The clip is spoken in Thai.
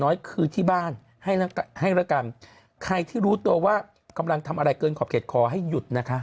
น้อยคือที่บ้านให้แล้วให้แล้วกันใครที่รู้ตัวว่ากำลังทำอะไรเกินขอบเขตขอให้หยุดนะคะ